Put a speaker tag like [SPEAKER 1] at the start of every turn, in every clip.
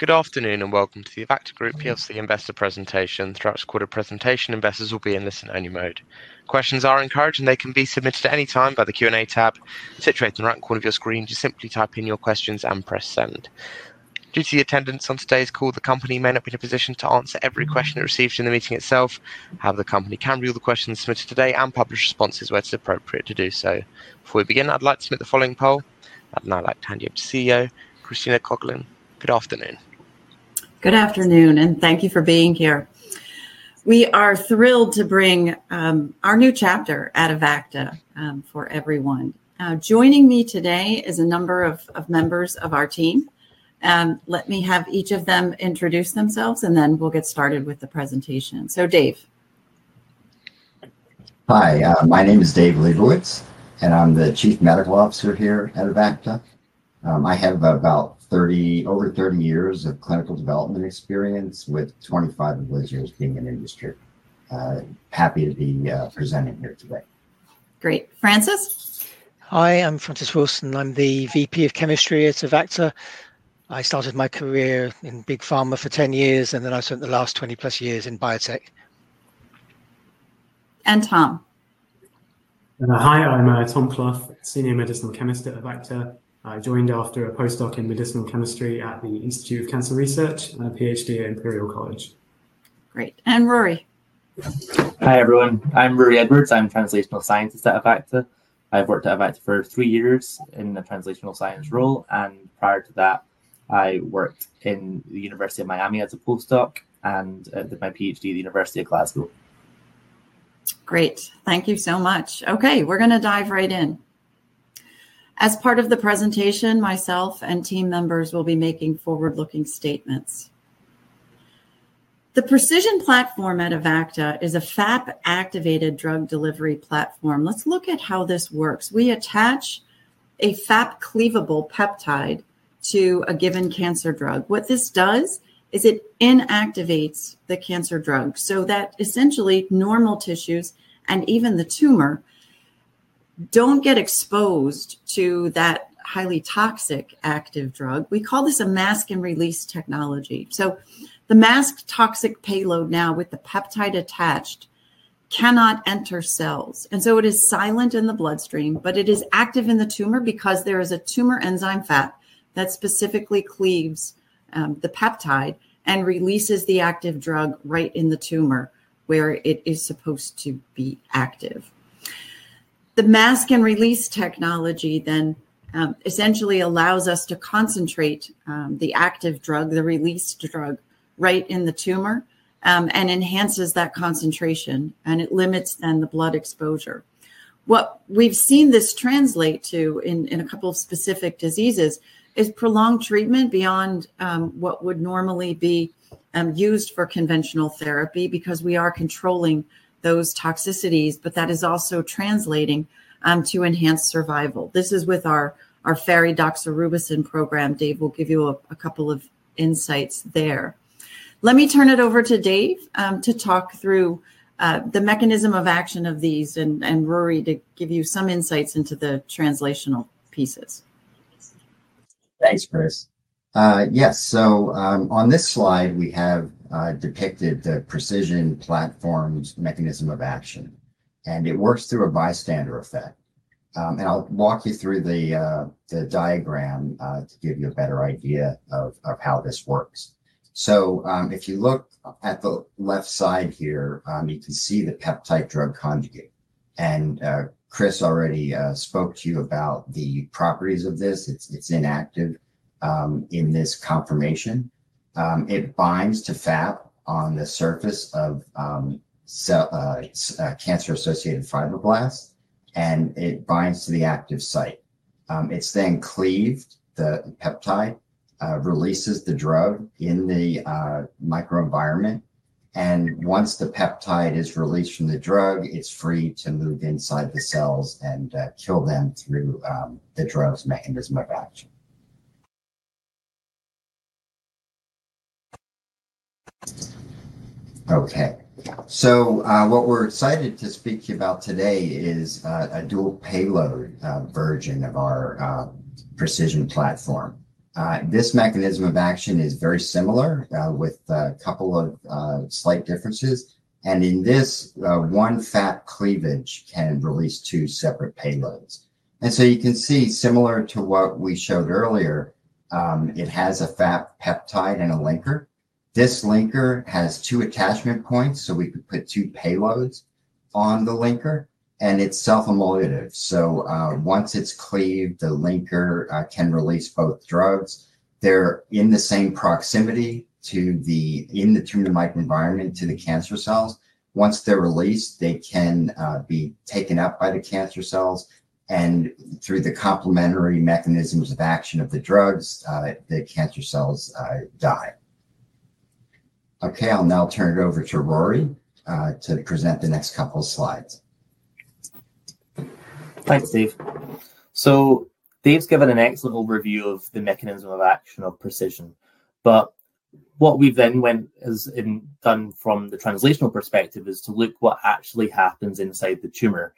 [SPEAKER 1] Good afternoon and welcome to the Avacta Group Plc Investor Presentation. Throughout the quarter presentation, investors will be in listen-only mode. Questions are encouraged and they can be submitted at any time by the Q&A tab situated in the right corner of your screen. Just simply type in your questions and press send. Due to the attendance on today's call, the company may not be in a position to answer every question it received in the meeting itself. However, the company can review the questions submitted today and publish responses where it is appropriate to do so. Before we begin, I'd like to submit the following poll. I'd like to hand you over to CEO Christina Coughlin. Good afternoon.
[SPEAKER 2] Good afternoon and thank you for being here. We are thrilled to bring our new chapter at Avacta for everyone. Joining me today is a number of members of our team. Let me have each of them introduce themselves, and then we'll get started with the presentation. Dave.
[SPEAKER 3] Hi, my name is Dave Liebowitz and I'm the Chief Medical Officer here at Avacta. I have about over 30 years of clinical development experience with 25 of those years being in industry. Happy to be presenting here today.
[SPEAKER 2] Great. Francis?
[SPEAKER 4] Hi, I'm Francis Wilson. I'm the VP of Chemistry at Avacta. I started my career in big pharma for 10 years, and then I spent the last 20+ years in biotech.
[SPEAKER 2] And Tom?
[SPEAKER 5] Hi, I'm Tom Clough, Senior Medicinal Chemist at Avacta. I joined after a postdoc in medicinal chemistry at the Institute of Cancer Research and a PhD at Imperial College.
[SPEAKER 2] Great. Ruairidh?
[SPEAKER 6] Hi everyone, I'm Ruairidh Edwards. I'm a Translational Scientist at Avacta. I've worked at Avacta for three years in the Translational Science role, and prior to that, I worked in the University of Miami as a postdoc and did my PhD at the University of Glasgow.
[SPEAKER 2] Great, thank you so much. Okay, we're going to dive right in. As part of the presentation, myself and team members will be making forward-looking statements. The pre|CISION platform at Avacta is a FAP-activated drug delivery platform. Let's look at how this works. We attach a FAP-cleavable peptide to a given cancer drug. What this does is it inactivates the cancer drug so that essentially normal tissues and even the tumor don't get exposed to that highly toxic active drug. We call this a mask-in-release technology. The masked toxic payload now with the peptide attached cannot enter cells, and it is silent in the bloodstream but it is active in the tumor because there is a tumor enzyme FAP that specifically cleaves the peptide and releases the active drug right in the tumor where it is supposed to be active. The mask-in-release technology then essentially allows us to concentrate the active drug, the released drug, right in the tumor and enhances that concentration and it limits the blood exposure. What we've seen this translate to in a couple of specific diseases is prolonged treatment beyond what would normally be used for conventional therapy because we are controlling those toxicities, but that is also translating to enhanced survival. This is with our FAP-doxorubicin program. Dave will give you a couple of insights there. Let me turn it over to Dave to talk through the mechanism of action of these and Ruairidh to give you some insights into the translational pieces.
[SPEAKER 3] Thanks, Chris. Yes, on this slide we have depicted the pre|CISION platform's mechanism of action and it works through a bystander effect. I'll walk you through the diagram to give you a better idea of how this works. If you look at the left side here, you can see the peptide drug conjugate and Chris already spoke to you about the properties of this. It's inactive in this conformation. It binds to FAP on the surface of cancer-associated fibroblasts and it binds to the active site. It's then cleaved, the peptide releases the drug in the microenvironment and once the peptide is released from the drug, it's free to move inside the cells and kill them through the drug's mechanism of action. What we're excited to speak to you about today is a dual-payload version of our pre|CISION platform. This mechanism of action is very similar with a couple of slight differences. In this, one FAP cleavage can release two separate payloads. You can see, similar to what we showed earlier, it has a FAP peptide and a linker. This linker has two attachment points so we could put two payloads on the linker and it's self-immolient. Once it's cleaved, the linker can release both drugs. They're in the same proximity in the tumor microenvironment to the cancer cells. Once they're released, they can be taken up by the cancer cells and through the complementary mechanisms of action of the drugs, the cancer cells die. I'll now turn it over to Ruairidh to present the next couple of slides.
[SPEAKER 6] Thanks, Steve. Dave's given an axial overview of the mechanism of action of pre|CISION, but what we've then done from the translational perspective is to look at what actually happens inside the tumor.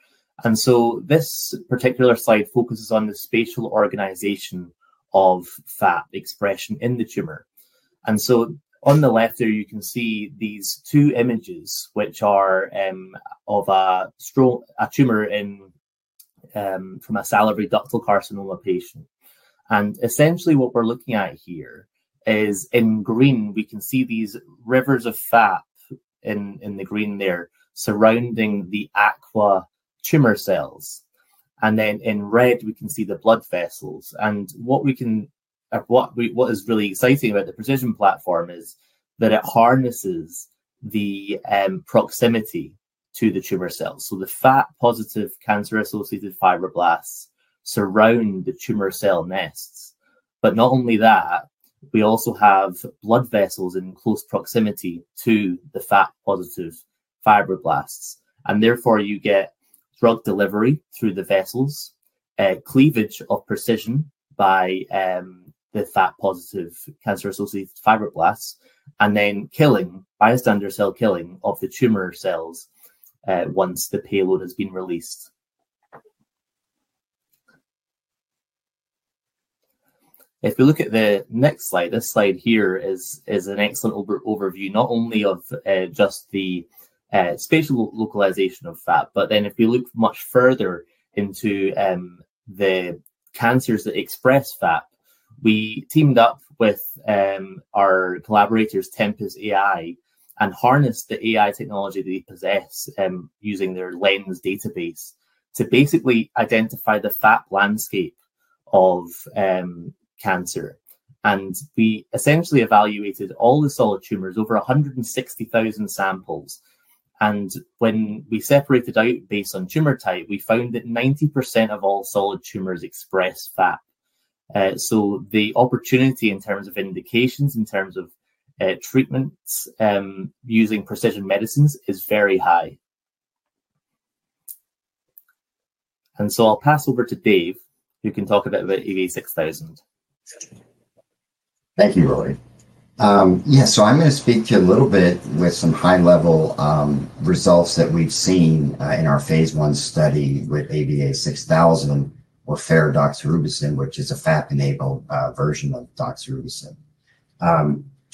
[SPEAKER 6] This particular slide focuses on the spatial organization of FAP expression in the tumor. On the left here, you can see these two images which are of a tumor from a salivary ductal carcinoma patient. Essentially, what we're looking at here is in green, we can see these rivers of FAP in the green there surrounding the aqua tumor cells. In red, we can see the blood vessels. What is really exciting about the pre|CISION platform is that it harnesses the proximity to the tumor cells. The FAP-positive cancer-associated fibroblasts surround the tumor cell nests. Not only that, we also have blood vessels in close proximity to the FAP-positive fibroblasts. Therefore, you get drug delivery through the vessels, cleavage of pre|CISION by the FAP-positive cancer-associated fibroblasts, and then bystander cell killing of the tumor cells once the payload has been released. If we look at the next slide, this slide here is an excellent overview not only of just the spatial localization of FAP, but then if we look much further into the cancers that express FAP, we teamed up with our collaborators, Tempus AI, and harnessed the AI technology they possess using their Lens database to basically identify the FAP landscape of cancer. We essentially evaluated all the solid tumors, over 160,000 samples. When we separated out based on tumor type, we found that 90% of all solid tumors expressed FAP. The opportunity in terms of indications, in terms of treatments using precision medicines, is very high. I'll pass over to Dave, who can talk a bit about AVA6000.
[SPEAKER 3] Thank you, Ruairidh. Yeah, I'm going to speak to you a little bit with some high-level results that we've seen in our phase I study with AVA6000 or FAP-enabled doxorubicin, which is a FAP-enabled version of doxorubicin.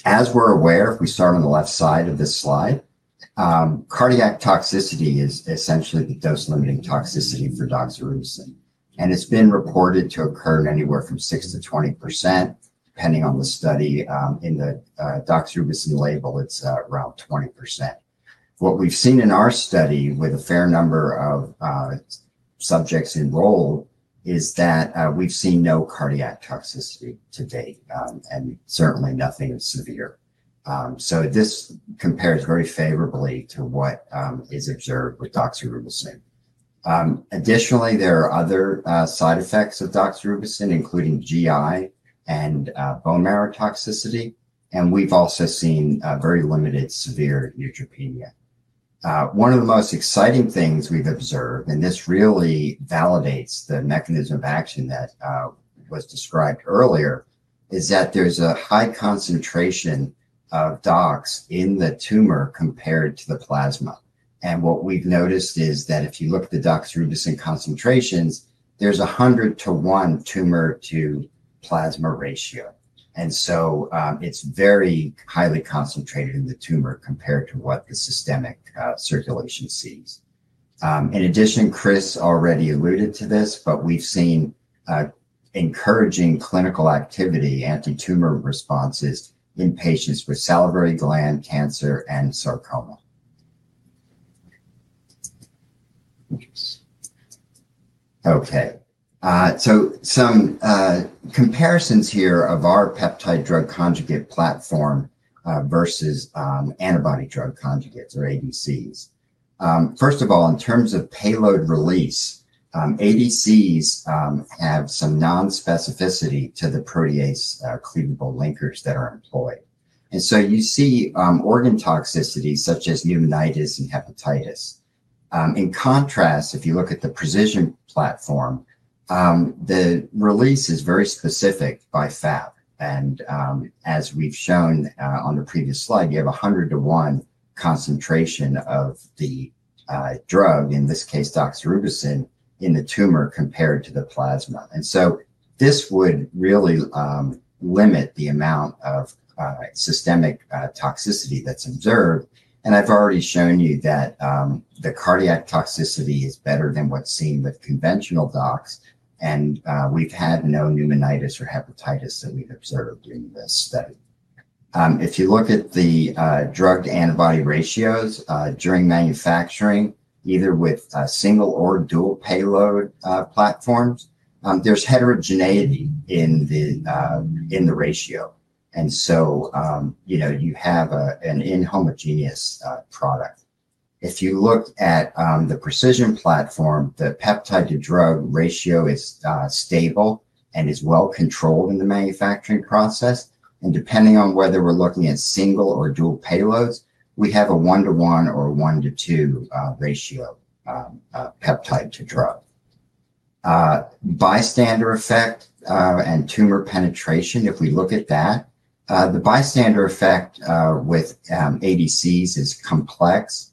[SPEAKER 3] As we're aware, if we start on the left side of this slide, cardiac toxicity is essentially the dose-limiting toxicity for doxorubicin. It's been reported to occur anywhere from 6%-20% depending on the study. In the doxorubicin label, it's around 20%. What we've seen in our study with a fair number of subjects enrolled is that we've seen no cardiac toxicity to date and certainly nothing severe. This compares very favorably to what is observed with doxorubicin. Additionally, there are other side effects of doxorubicin, including GI and bone marrow toxicity. We've also seen very limited severe neutropenia. One of the most exciting things we've observed, and this really validates the mechanism of action that was described earlier, is that there's a high concentration of doxorubicin in the tumor compared to the plasma. What we've noticed is that if you look at the doxorubicin concentrations, there's a 100 to 1 tumor-to-plasma ratio. It's very highly concentrated in the tumor compared to what the systemic circulation sees. In addition, Chris already alluded to this, but we've seen encouraging clinical activity, anti-tumor responses in patients with salivary gland cancer and sarcoma. Here are some comparisons of our pre|CISIO peptide drug conjugate platform versus antibody-drug conjugates or ADCs. First of all, in terms of payload release, ADCs have some non-specificity to the protease-cleavable linkers that are employed. You see organ toxicity such as pneumonitis and hepatitis. In contrast, if you look at the pre|CISION platform, the release is very specific by FAP. As we've shown on the previous slide, you have a 100:1 concentration of the drug, in this case doxorubicin, in the tumor compared to the plasma. This would really limit the amount of systemic toxicity that's observed. I've already shown you that the cardiac toxicity is better than what's seen with conventional doxorubicin. We've had no pneumonitis or hepatitis that we've observed during this study. If you look at the drug-to-antibody ratios during manufacturing, either with single or dual-payload platforms, there's heterogeneity in the ratio. You have an inhomogeneous product. If you look at the pre|CISION platform, the peptide-to-drug ratio is stable and is well controlled in the manufacturing process. Depending on whether we're looking at single or dual-payloads, we have a one-to-one or one-to-two ratio peptide-to-drug. Bystander effect and tumor penetration, if we look at that, the bystander effect with ADCs is complex.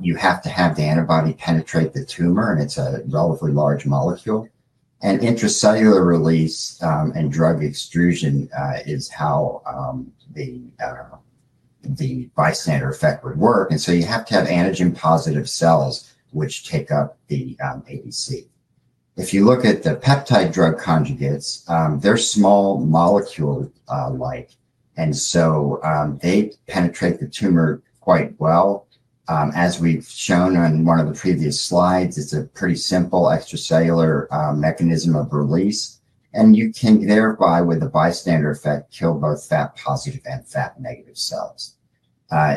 [SPEAKER 3] You have to have the antibody penetrate the tumor, and it's a relatively large molecule. Intracellular release and drug extrusion is how the bystander effect would work. You have to have antigen-positive cells which take up the ADC. If you look at the peptide drug conjugates, they're small molecule-like, and they penetrate the tumor quite well. As we've shown on one of the previous slides, it's a pretty simple extracellular mechanism of release. You can thereby, with the bystander effect, kill both FAP-positive and FAP-negative cells.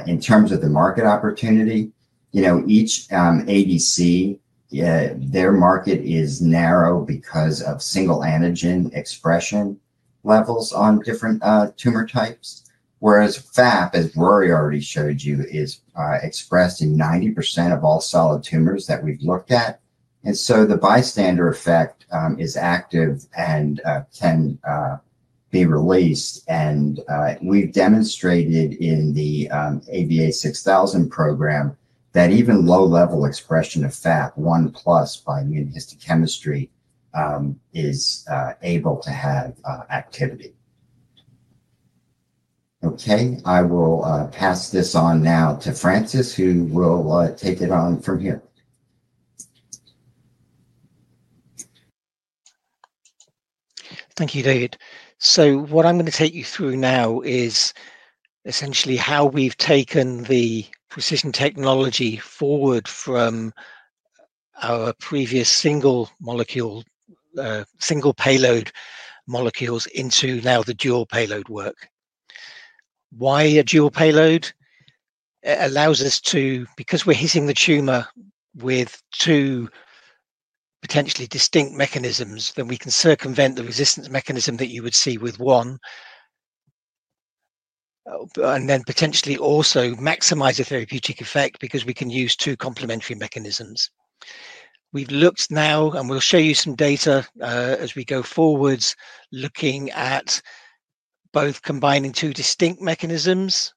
[SPEAKER 3] In terms of the market opportunity, each ADC, their market is narrow because of single antigen expression levels on different tumor types. FAP, as Ruairidh already showed you, is expressed in 90% of all solid tumors that we've looked at. The bystander effect is active and can be released. We've demonstrated in the AVA6000 program that even low-level expression of FAP, one plus by immune histochemistry, is able to have activity. I will pass this on now to Francis, who will take it on from here.
[SPEAKER 4] Thank you, Dave. What I'm going to take you through now is essentially how we've taken the pre|CISION technology forward from our previous single payload molecules into now the dual-payload work. Why a dual payload? It allows us to, because we're hitting the tumor with two potentially distinct mechanisms, we can circumvent the resistance mechanism that you would see with one. Potentially, we can also maximize the therapeutic effect because we can use two complementary mechanisms. We've looked now, and we'll show you some data as we go forwards, looking at both combining two distinct mechanisms.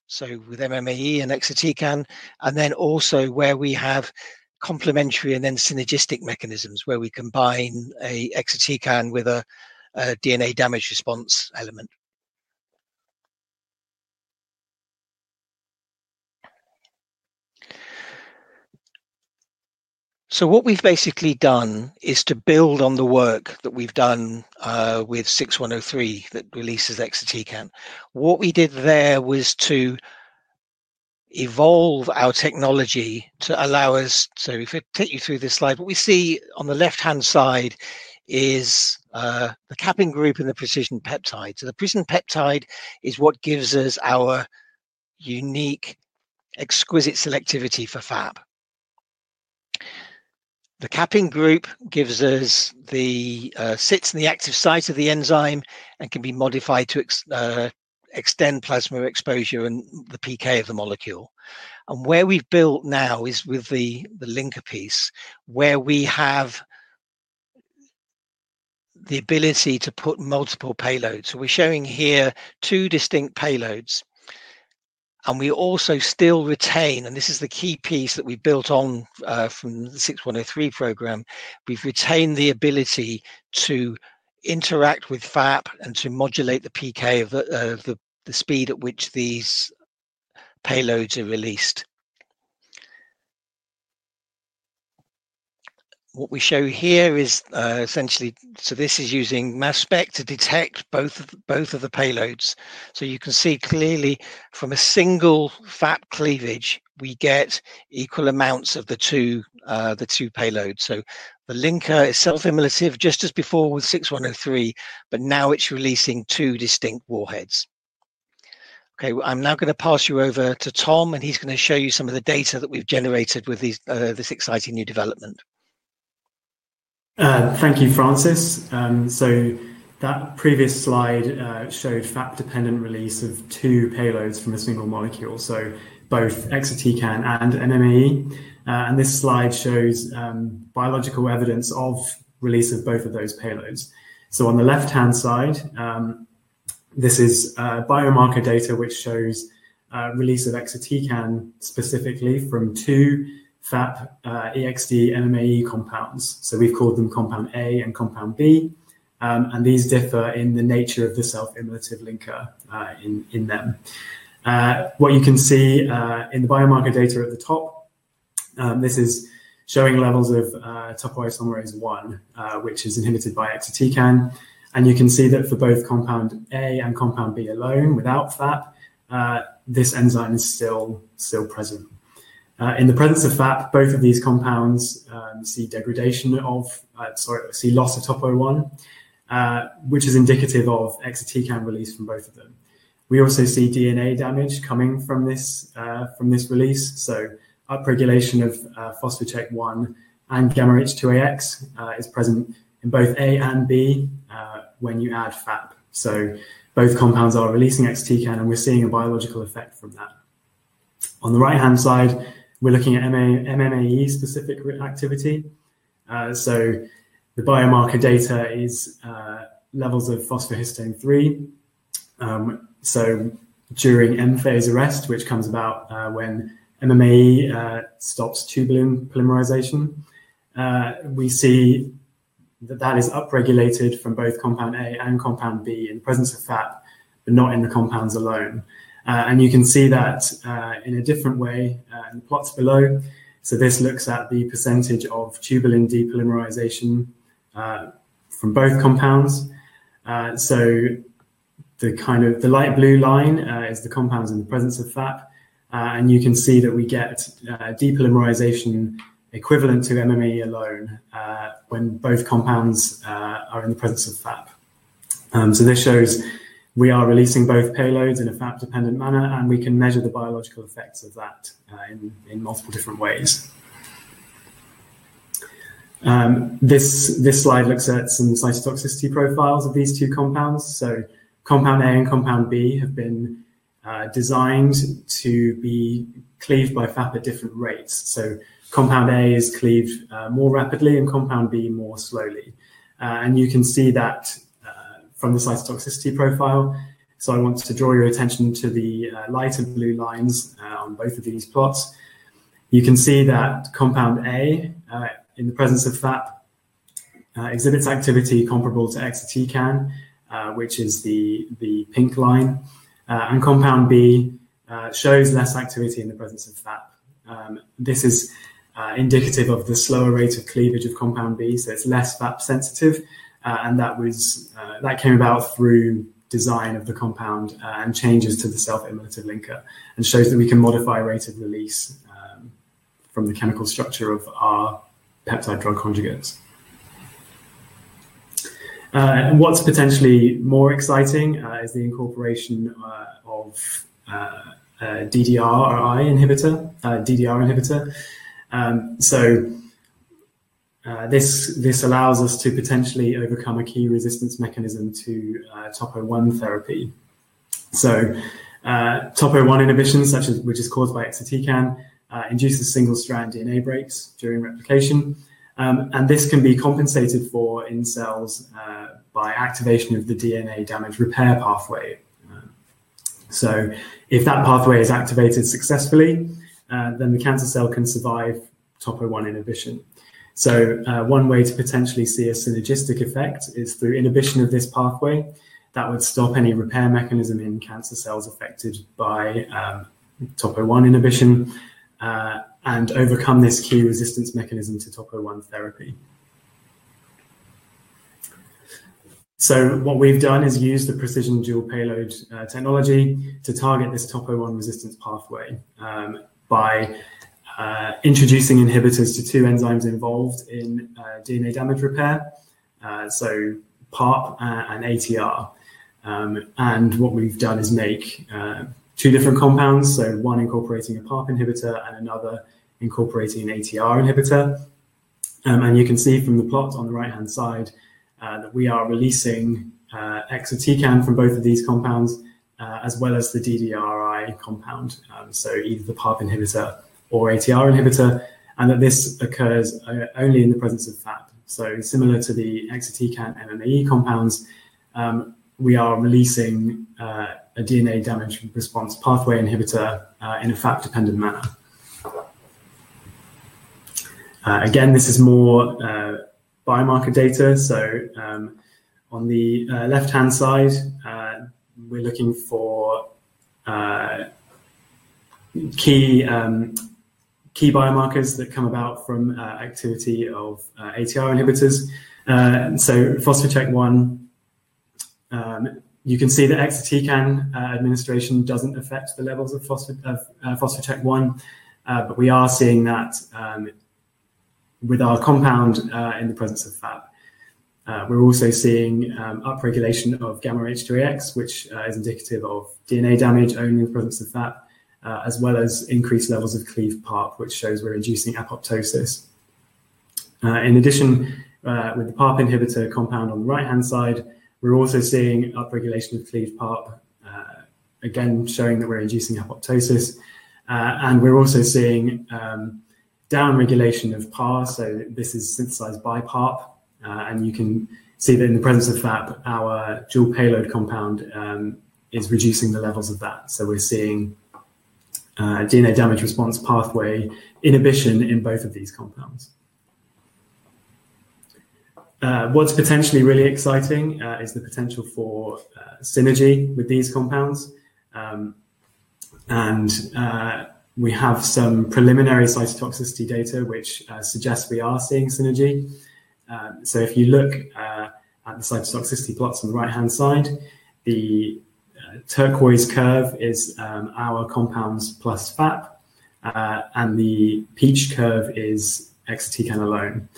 [SPEAKER 4] With MME and exatecan, and also where we have complementary and then synergistic mechanisms where we combine an exatecan with a DNA damage response element. What we've basically done is to build on the work that we've done with AVA6103 that releases exatecan. What we did there was to evolve our technology to allow us, if I take you through this slide, what we see on the left-hand side is the capping group and the pre|CISION peptide. The pre|CISION peptide is what gives us our unique exquisite selectivity for FAP. The capping group sits in the active site of the enzyme and can be modified to extend plasma exposure and the PK of the molecule. Where we've built now is with the linker piece where we have the ability to put multiple payloads. We're showing here two distinct payloads. We also still retain, and this is the key piece that we built on from the AVA6103 program, we've retained the ability to interact with FAP and to modulate the PK of the speed at which these payloads are released. What we show here is essentially, this is using mass spec to detect both of the payloads. You can see clearly from a single FAP cleavage, we get equal amounts of the two payloads. The linker is self-immolative just as before with AVA6103, but now it's releasing two distinct warheads. I'm now going to pass you over to Tom and he's going to show you some of the data that we've generated with this exciting new development.
[SPEAKER 5] Thank you, Francis. That previous slide showed FAP-dependent release of two payloads from a single molecule, both Exatecan and MME. This slide shows biological evidence of release of both of those payloads. On the left-hand side, this is biomarker data which shows release of Exatecan specifically from two FAP-Exatecan-MME compounds. We've called them Compound A and Compound B, and these differ in the nature of the self-immolative linker in them. In the biomarker data at the top, this is showing levels of topoisomerase 1, which is inhibited by Exatecan. For both Compound A and Compound B alone, without FAP, this enzyme is still present. In the presence of FAP, both of these compounds see loss of topo1, which is indicative of Exatecan release from both of them. We also see DNA damage coming from this release. Upregulation of phospho-tech-1 and gamma H2AX is present in both A and B when you add FAP. Both compounds are releasing Exatecan and we're seeing a biological effect from that. On the right-hand side, we're looking at MME-specific activity. The biomarker data is levels of phosphohistone-3. During M-phase arrest, which comes about when MME stops tubulin polymerization, we see that is upregulated from both Compound A and Compound B in the presence of FAP, but not in the compounds alone. In the plots below, this looks at the percentage of tubulin depolymerization from both compounds. The light blue line is the compounds in the presence of FAP, and you can see that we get depolymerization equivalent to MME alone when both compounds are in the presence of FAP. This shows we are releasing both payloads in a FAP-dependent manner and we can measure the biological effects of that in multiple different ways. This slide looks at some cytotoxicity profiles of these two compounds. Compound A and Compound B have been designed to be cleaved by FAP at different rates. Compound A is cleaved more rapidly and Compound B more slowly, and you can see that from the cytotoxicity profile. I want to draw your attention to the lighter blue lines on both of these plots. You can see that Compound A in the presence of FAP exhibits activity comparable to Exatecan, which is the pink line, and Compound B shows less activity in the presence of FAP. This is indicative of the slower rate of cleavage of Compound B, so it's less FAP sensitive. That came about through design of the compound and changes to the self-immolative linker and shows that we can modify rate of release from the chemical structure of our peptide-drug conjugates. What's potentially more exciting is the incorporation of DDR or I inhibitor, DDR inhibitor. This allows us to potentially overcome a key resistance mechanism to topo1 therapy. Topo1 inhibition, which is caused by exatecan, induces single-strand DNA breaks during replication. This can be compensated for in cells by activation of the DNA damage repair pathway. If that pathway is activated successfully, then the cancer cell can survive topo1 inhibition. One way to potentially see a synergistic effect is through inhibition of this pathway that would stop any repair mechanism in cancer cells affected by topo1 inhibition and overcome this key resistance mechanism to topo1 therapy. What we've done is used the pre|CISION dual-payload technology to target this topo1 resistance pathway by introducing inhibitors to two enzymes involved in DNA damage repair: PARP and ATR. We've made two different compounds, one incorporating a PARP inhibitor and another incorporating an ATR inhibitor. You can see from the plot on the right-hand side that we are releasing exatecan from both of these compounds as well as the DDRI compound, so either the PARP inhibitor or ATR inhibitor, and that this occurs only in the presence of FAP. Similar to the exatecan MME compounds, we are releasing a DNA damage response pathway inhibitor in a FAP-dependent manner. Again, this is more biomarker data. On the left-hand side, we're looking for key biomarkers that come about from activity of ATR inhibitors. Phospho-CHK1, you can see that exatecan administration doesn't affect the levels of phospho-CHK1, but we are seeing that with our compound in the presence of FAP. We're also seeing upregulation of gamma H2AX, which is indicative of DNA damage only in the presence of FAP, as well as increased levels of cleaved PARP, which shows we're inducing apoptosis. In addition, with the PARP inhibitor compound on the right-hand side, we're also seeing upregulation of cleaved PARP, again showing that we're inducing apoptosis. We're also seeing downregulation of PAR, so this is synthesized by PARP. You can see that in the presence of FAP, our dual-payload compound is reducing the levels of that. We're seeing DNA damage response pathway inhibition in both of these compounds. What's potentially really exciting is the potential for synergy with these compounds. We have some preliminary cytotoxicity data, which suggests we are seeing synergy. If you look at the cytotoxicity plots on the right-hand side, the turquoise curve is our compounds plus FAP, and the peach curve is exatecan alone.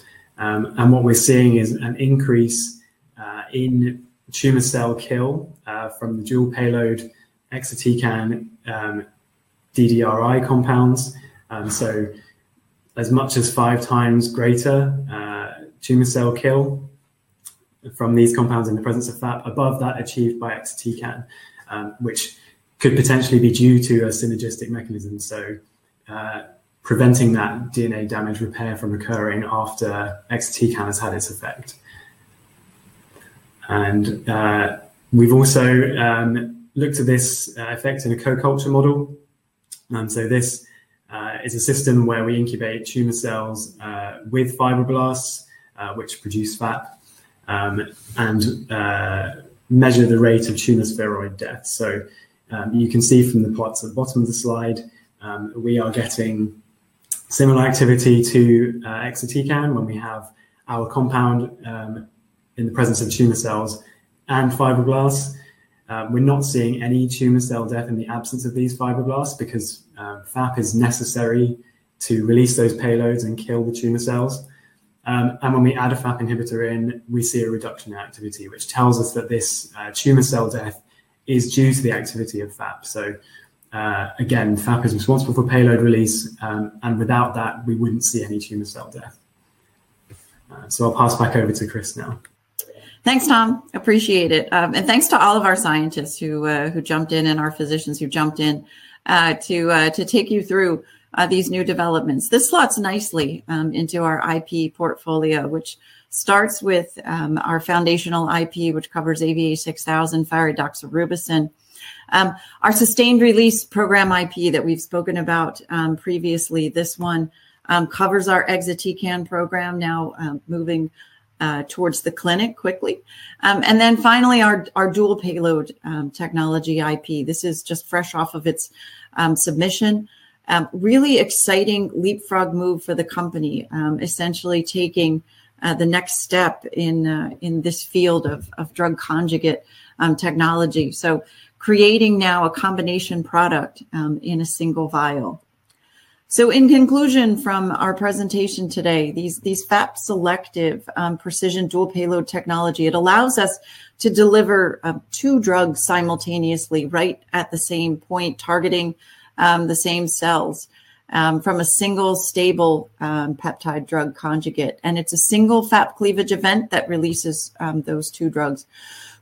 [SPEAKER 5] What we're seeing is an increase in tumor cell kill from the dual-payload exatecan DDRI compounds, as much as five times greater tumor cell kill from these compounds in the presence of FAP above that achieved by exatecan, which could potentially be due to a synergistic mechanism, preventing that DNA damage repair from occurring after exatecan has had its effect. We have also looked at this effect in a co-culture model. This is a system where we incubate tumor cells with fibroblasts, which produce FAP, and measure the rate of tumor spheroid death. You can see from the plots at the bottom of the slide, we are getting similar activity to exatecan when we have our compound in the presence of tumor cells and fibroblasts. We're not seeing any tumor cell death in the absence of these fibroblasts because FAP is necessary to release those payloads and kill the tumor cells. When we add a FAP inhibitor in, we see a reduction in activity, which tells us that this tumor cell death is due to the activity of FAP. FAP is responsible for payload release, and without that, we wouldn't see any tumor cell death. I'll pass back over to Chris now.
[SPEAKER 2] Thanks, Tom. Appreciate it. Thanks to all of our scientists who jumped in and our physicians who jumped in to take you through these new developments. This slots nicely into our IP portfolio, which starts with our foundational IP, which covers AVA6000, fibro doxorubicin. Our sustained release program IP that we've spoken about previously, this one covers our AVA6103 program now moving towards the clinic quickly. Finally, our dual-payload technology IP. This is just fresh off of its submission. Really exciting leapfrog move for the company, essentially taking the next step in this field of drug conjugate technology. Creating now a combination product in a single vial. In conclusion from our presentation today, these FAP-selective pre|CISION dual-payload technology, it allows us to deliver two drugs simultaneously right at the same point, targeting the same cells from a single stable peptide drug conjugate. It's a single FAP cleavage event that releases those two drugs.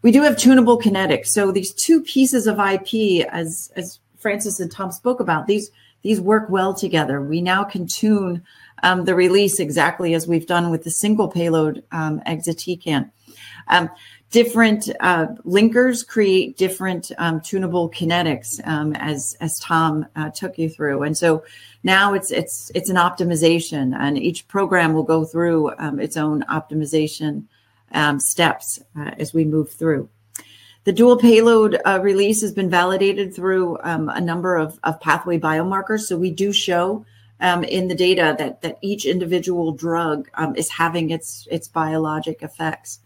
[SPEAKER 2] We do have tunable kinetics. These two pieces of IP, as Francis and Tom spoke about, these work well together. We now can tune the release exactly as we've done with the single payload AVA6103. Different linkers create different tunable kinetics, as Tom took you through. Now it's an optimization, and each program will go through its own optimization steps as we move through. The dual-payload release has been validated through a number of pathway biomarkers. We do show in the data that each individual drug is having its biologic effects.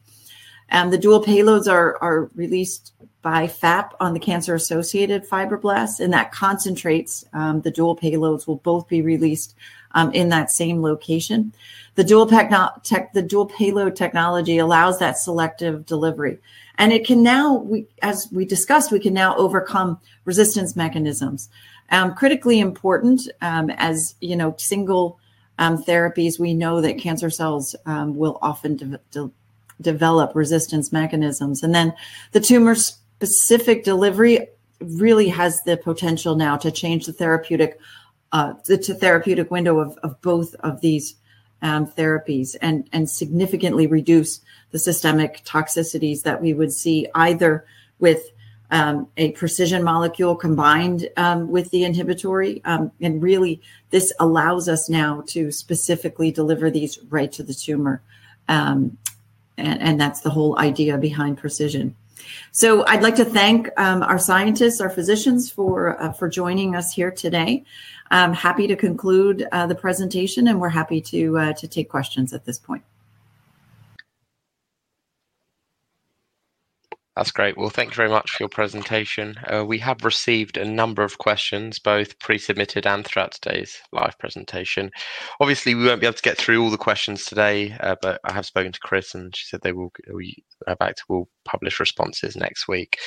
[SPEAKER 2] The dual payloads are released by FAP on the cancer-associated fibroblasts, and that concentrates the dual payloads will both be released in that same location. The dual-payload technology allows that selective delivery. It can now, as we discussed, we can now overcome resistance mechanisms. Critically important, as you know, single therapies, we know that cancer cells will often develop resistance mechanisms. The tumor-specific delivery really has the potential now to change the therapeutic window of both of these therapies and significantly reduce the systemic toxicities that we would see either with a pre|CISION molecule combined with the inhibitory. This allows us now to specifically deliver these right to the tumor. That's the whole idea behind pre|CISION. I'd like to thank our scientists, our physicians for joining us here today. I'm happy to conclude the presentation, and we're happy to take questions at this point.
[SPEAKER 1] That's great. Thank you very much for your presentation. We have received a number of questions, both pre-submitted and throughout today's live presentation. Obviously, we won't be able to get through all the questions today, but I have spoken to Christina, and she said they will, we are about to, we'll publish responses next week.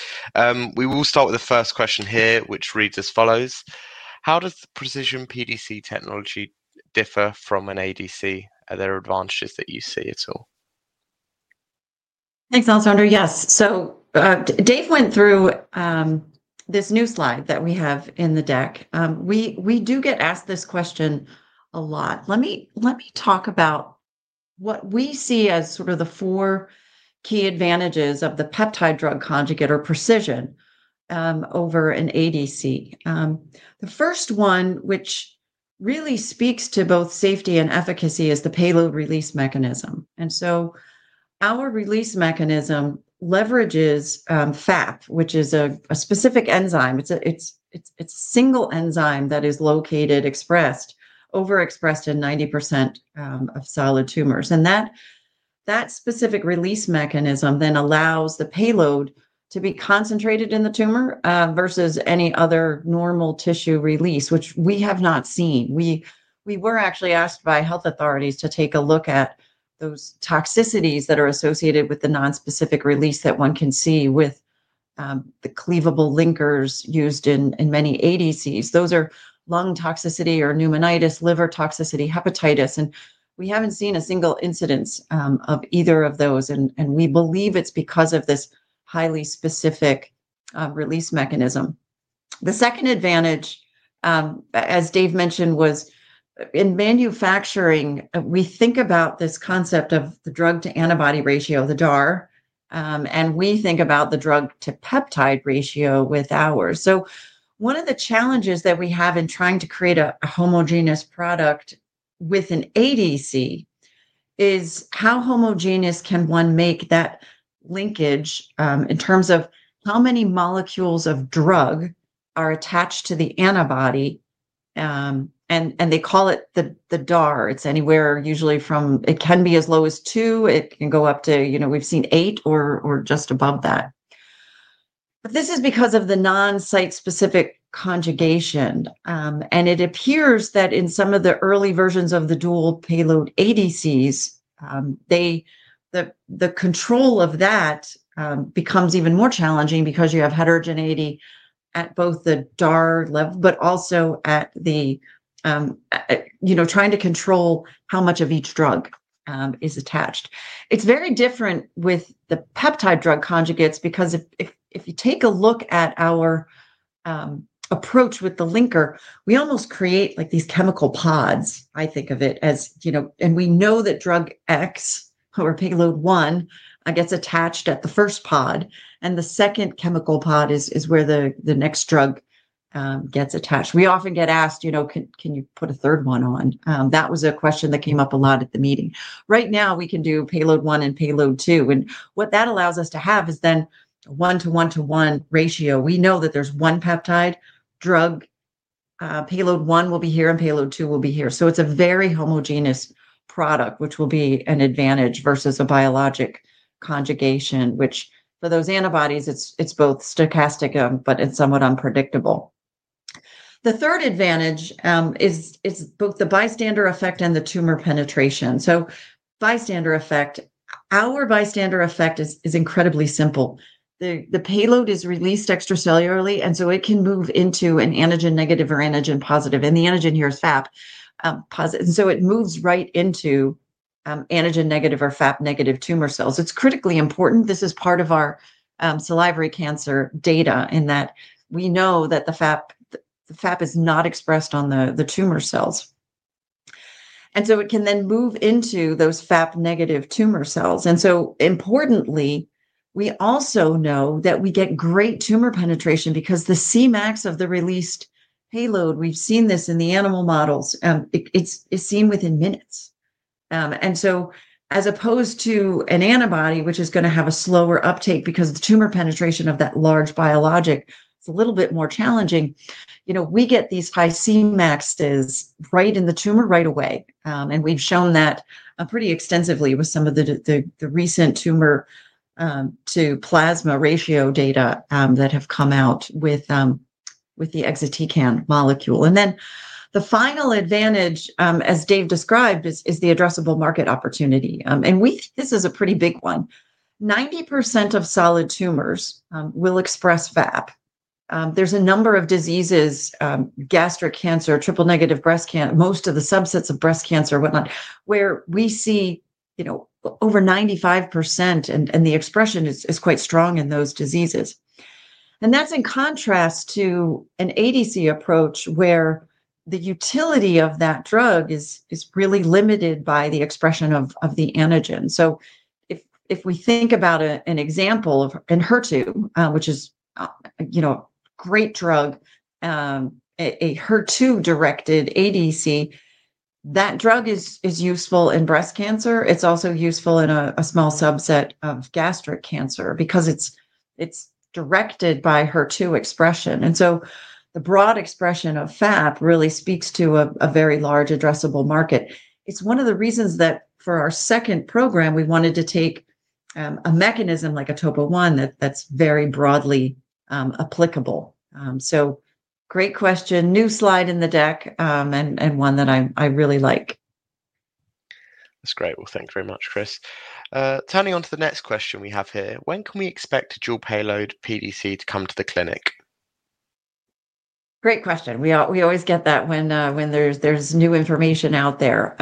[SPEAKER 1] We will start with the first question here, which reads as follows: How does the pre|CISION PDC technology differ from an ADC? Are there advantages that you see at all?
[SPEAKER 2] Thanks, Alexander. Yes. Dave went through this new slide that we have in the deck. We do get asked this question a lot. Let me talk about what we see as sort of the four key advantages of the peptide drug conjugate or pre|CISION over an ADC. The first one, which really speaks to both safety and efficacy, is the payload release mechanism. Our release mechanism leverages FAP, which is a specific enzyme. It's a single enzyme that is located, expressed, over-expressed in 90% of solid tumors. That specific release mechanism then allows the payload to be concentrated in the tumor versus any other normal tissue release, which we have not seen. We were actually asked by health authorities to take a look at those toxicities that are associated with the non-specific release that one can see with the cleavable linkers used in many ADCs. Those are lung toxicity or pneumonitis, liver toxicity, hepatitis. We haven't seen a single incidence of either of those. We believe it's because of this highly specific release mechanism. The second advantage, as Dave mentioned, was in manufacturing. We think about this concept of the drug-to-antibody ratio, the DAR. We think about the drug-to-peptide ratio with ours. One of the challenges that we have in trying to create a homogeneous product with an ADC is how homogeneous can one make that linkage in terms of how many molecules of drug are attached to the antibody. They call it the DAR. It's anywhere usually from, it can be as low as two. It can go up to, you know, we've seen eight or just above that. This is because of the non-site-specific conjugation. It appears that in some of the early versions of the dual-payload ADCs, the control of that becomes even more challenging because you have heterogeneity at both the DAR level, but also at the, you know, trying to control how much of each drug is attached. It's very different with the peptide drug conjugates because if you take a look at our approach with the linker, we almost create like these chemical pods, I think of it as, you know, and we know that drug X or payload one gets attached at the first pod. The second chemical pod is where the next drug gets attached. We often get asked, you know, can you put a third one on? That was a question that came up a lot at the meeting. Right now, we can do payload one and payload two. What that allows us to have is then a one-to-one-to-one ratio. We know that there's one peptide drug, payload one will be here and payload two will be here. It's a very homogeneous product, which will be an advantage versus a biologic conjugation, which for those antibodies, it's both stochastic, but it's somewhat unpredictable. The third advantage is both the bystander effect and the tumor penetration. Bystander effect, our bystander effect is incredibly simple. The payload is released extracellularly, and it can move into an antigen negative or antigen positive. The antigen here is FAP. It moves right into antigen negative or FAP negative tumor cells. It's critically important. This is part of our salivary cancer data in that we know that the FAP is not expressed on the tumor cells. It can then move into those FAP negative tumor cells. Importantly, we also know that we get great tumor penetration because the Cmax of the released payload, we've seen this in the animal models, it's seen within minutes. As opposed to an antibody, which is going to have a slower uptake because the tumor penetration of that large biologic, it's a little bit more challenging. We get these high Cmax's right in the tumor right away. We've shown that pretty extensively with some of the recent tumor-to-plasma ratio data that have come out with the exatecan molecule. The final advantage, as Dave described, is the addressable market opportunity. We think this is a pretty big one. 90% of solid tumors will express FAP. There's a number of diseases, gastric cancer, triple negative breast cancer, most of the subsets of breast cancer, whatnot, where we see over 95% and the expression is quite strong in those diseases. That's in contrast to an ADC approach where the utility of that drug is really limited by the expression of the antigen. If we think about an example of HER2, which is a great drug, a HER2-directed ADC, that drug is useful in breast cancer. It's also useful in a small subset of gastric cancer because it's directed by HER2 expression. The broad expression of FAP really speaks to a very large addressable market. It's one of the reasons that for our second program, we wanted to take a mechanism like a topo1 that's very broadly applicable. Great question, new slide in the deck and one that I really like.
[SPEAKER 1] That's great. Thank you very much, Chris. Turning on to the next question we have here, when can we expect a dual-payload PDC to come to the clinic?
[SPEAKER 2] Great question. We always get that when there's new information out there.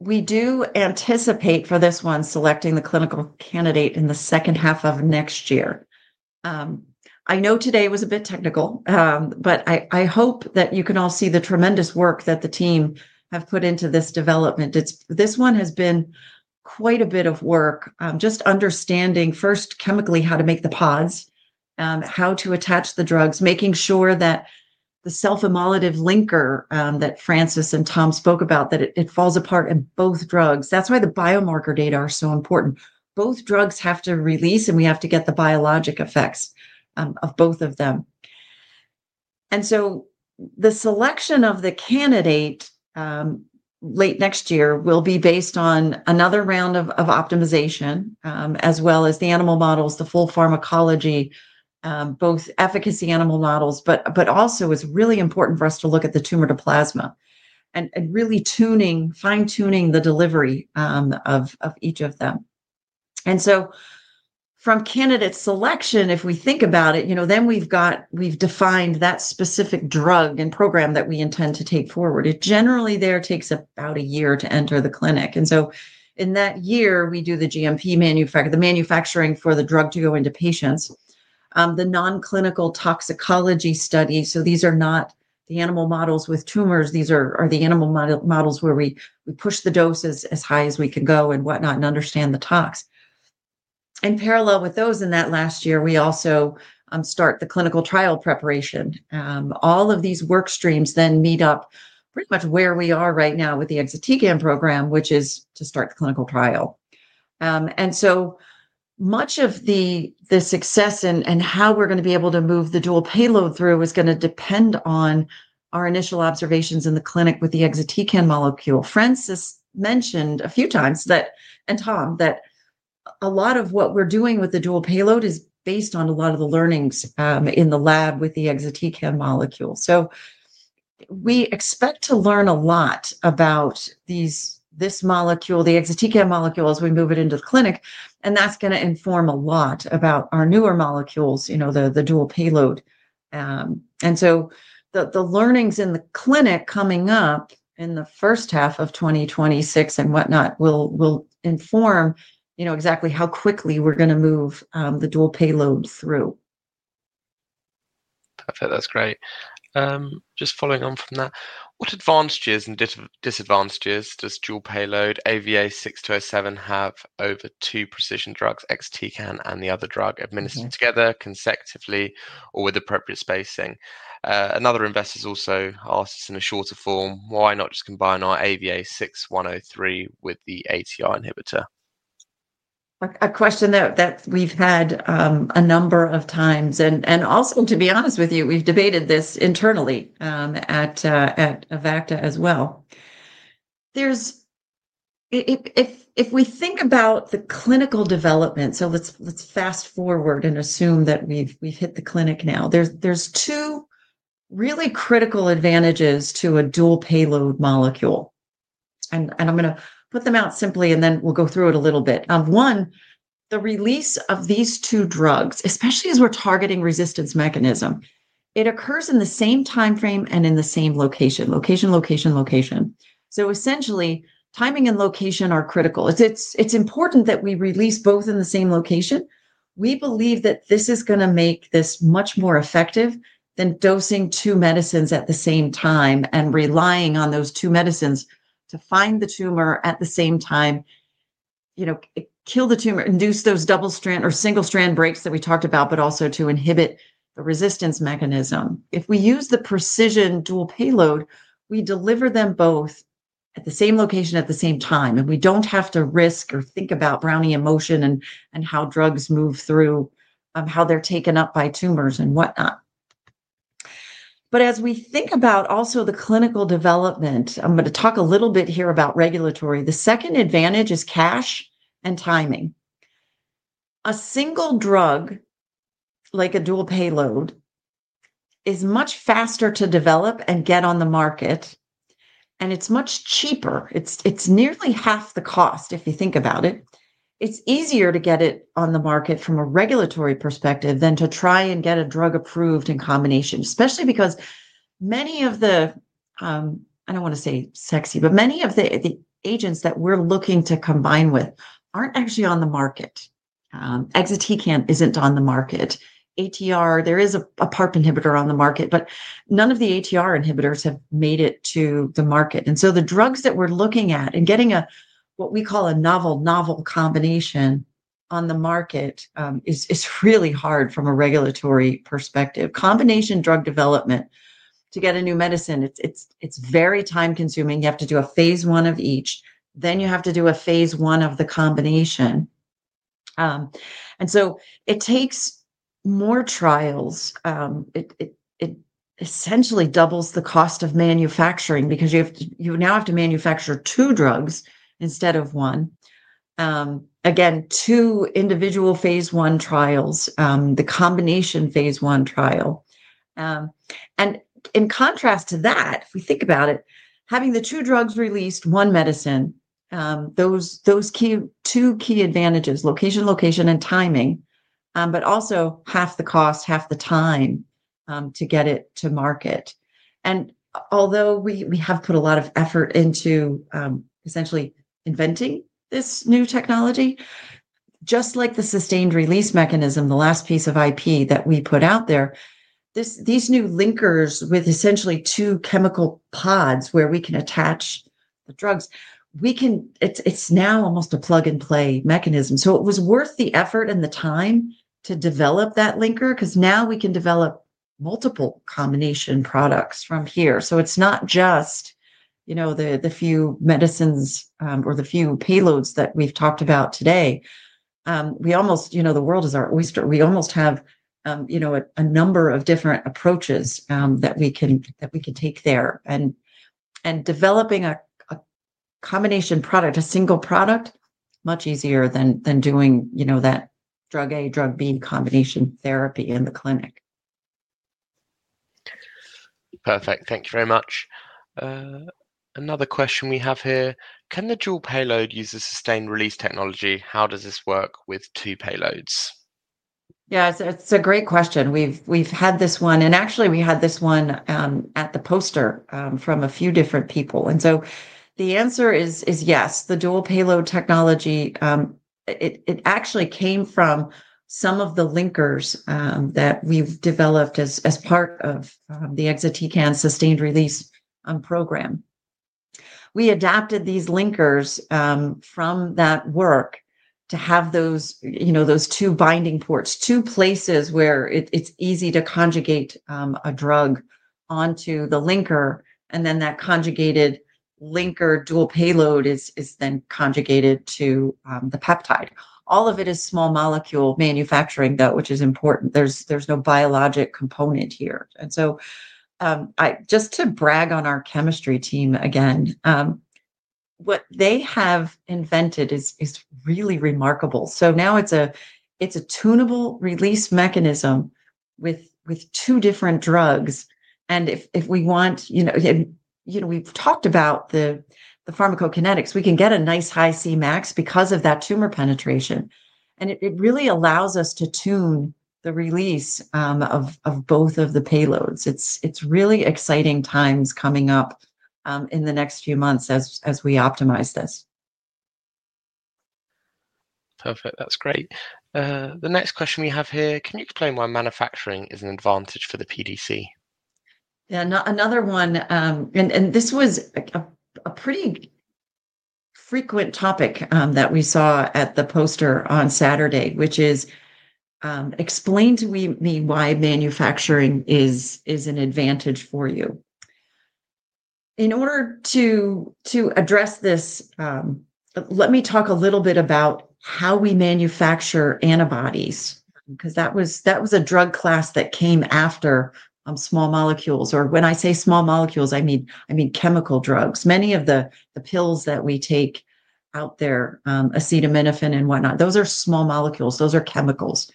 [SPEAKER 2] We do anticipate for this one selecting the clinical candidate in the second half of next year. I know today was a bit technical, but I hope that you can all see the tremendous work that the team has put into this development. This one has been quite a bit of work just understanding first chemically how to make the pods, how to attach the drugs, making sure that the self-immolative linker that Francis and Tom spoke about, that it falls apart in both drugs. That's why the biomarker data are so important. Both drugs have to release and we have to get the biologic effects of both of them. The selection of the candidate late next year will be based on another round of optimization as well as the animal models, the full pharmacology, both efficacy animal models, but also it's really important for us to look at the tumor-to-plasma and really tuning, fine-tuning the delivery of each of them. From candidate selection, if we think about it, you know, then we've got, we've defined that specific drug and program that we intend to take forward. It generally there takes about a year to enter the clinic. In that year, we do the GMP manufacturing for the drug to go into patients. The non-clinical toxicology study, so these are not the animal models with tumors, these are the animal models where we push the doses as high as we can go and whatnot and understand the tox. In parallel with those in that last year, we also start the clinical trial preparation. All of these work streams then meet up pretty much where we are right now with the Exatecan program, which is to start the clinical trial. Much of the success and how we're going to be able to move the dual-payload through is going to depend on our initial observations in the clinic with the Exatecan molecule. Francis mentioned a few times that, and Tom, that a lot of what we're doing with the dual-payload is based on a lot of the learnings in the lab with the Exatecan molecule. We expect to learn a lot about this molecule, the Exatecan molecule, as we move it into the clinic. That's going to inform a lot about our newer molecules, you know, the dual-payload. The learnings in the clinic coming up in the first half of 2026 and whatnot will inform, you know, exactly how quickly we're going to move the dual-payload through.
[SPEAKER 1] Perfect. That's great. Just following on from that, what advantages and disadvantages does dual-payload AVA6207 have over two pre|CISION drugs, exatecan and the other drug, administered together consecutively or with appropriate spacing? Another investor's also asked us in a shorter form, why not just combine our AVA6103 with the ATR inhibitor?
[SPEAKER 2] A question that we've had a number of times. To be honest with you, we've debated this internally at Avacta Group Plc as well. If we think about the clinical development, let's fast forward and assume that we've hit the clinic now. There are two really critical advantages to a dual-payload molecule. I'm going to put them out simply and then we'll go through it a little bit. One, the release of these two drugs, especially as we're targeting resistance mechanisms, occurs in the same timeframe and in the same location. Essentially, timing and location are critical. It's important that we release both in the same location. We believe that this is going to make this much more effective than dosing two medicines at the same time and relying on those two medicines to find the tumor at the same time, kill the tumor, induce those double-strand or single-strand breaks that we talked about, but also to inhibit the resistance mechanism. If we use the pre|CISION dual-payload, we deliver them both at the same location at the same time. We don't have to risk or think about Brownian motion and how drugs move through, how they're taken up by tumors and whatnot. As we think about the clinical development, I'm going to talk a little bit here about regulatory. The second advantage is cash and timing. A single drug, like a dual-payload, is much faster to develop and get on the market. It's much cheaper. It's nearly half the cost if you think about it. It's easier to get it on the market from a regulatory perspective than to try and get a drug approved in combination, especially because many of the, I don't want to say sexy, but many of the agents that we're looking to combine with aren't actually on the market. Exatecan isn't on the market. ATR, there is a PARP inhibitor on the market, but none of the ATR inhibitors have made it to the market. The drugs that we're looking at and getting what we call a novel novel combination on the market is really hard from a regulatory perspective. Combination drug development to get a new medicine is very time-consuming. You have to do a phase I of each. Then you have to do a phase I of the combination. It takes more trials. It essentially doubles the cost of manufacturing because you now have to manufacture two drugs instead of one. Again, two individual phase I trials, the combination phase I trial. In contrast to that, if we think about it, having the two drugs released, one medicine, those two key advantages, location, location, and timing, but also half the cost, half the time to get it to market. Although we have put a lot of effort into essentially inventing this new technology, just like the sustained release mechanism, the last piece of IP that we put out there, these new linkers with essentially two chemical pods where we can attach the drugs, it's now almost a plug-and-play mechanism. It was worth the effort and the time to develop that linker because now we can develop multiple combination products from here. It's not just the few medicines or the few payloads that we've talked about today. We almost, you know, the world is our oyster. We almost have a number of different approaches that we can take there. Developing a combination product, a single product, is much easier than doing that drug A, drug B combination therapy in the clinic.
[SPEAKER 1] Perfect. Thank you very much. Another question we have here. Can the dual-payload use a sustained release technology? How does this work with two payloads?
[SPEAKER 2] Yeah, it's a great question. We've had this one, and actually we had this one at the poster from a few different people. The answer is yes, the dual-payload technology actually came from some of the linkers that we've developed as part of the exatecan sustained release program. We adapted these linkers from that work to have those two binding ports, two places where it's easy to conjugate a drug onto the linker. That conjugated linker dual payload is then conjugated to the peptide. All of it is small molecule manufacturing, which is important. There's no biologic component here. Just to brag on our chemistry team again, what they have invented is really remarkable. Now it's a tunable release mechanism with two different drugs. If we want, we've talked about the pharmacokinetics. We can get a nice high Cmax because of that tumor penetration. It really allows us to tune the release of both of the payloads. It's really exciting times coming up in the next few months as we optimize this.
[SPEAKER 1] Perfect. That's great. The next question we have here, can you explain why manufacturing is an advantage for the PDC?
[SPEAKER 2] Yeah, another one, and this was a pretty frequent topic that we saw at the poster on Saturday, which is explain to me why manufacturing is an advantage for you. In order to address this, let me talk a little bit about how we manufacture antibodies because that was a drug class that came after small molecules. When I say small molecules, I mean chemical drugs. Many of the pills that we take out there, acetaminophen and whatnot, those are small molecules. Those are chemicals